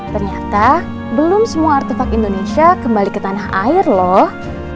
ternyata belum semua artefak indonesia kembali ke tanah air loh